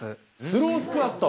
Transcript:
スロースクワット？